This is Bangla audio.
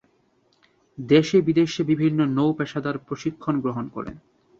দেশে-বিদেশে বিভিন্ন নৌ-পেশাদার প্রশিক্ষণ গ্রহণ করেন।